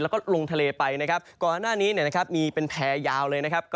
แล้วก็ลงทะเลไปนะครับก่อนหน้านี้เนี่ยนะครับมีเป็นแพร่ยาวเลยนะครับ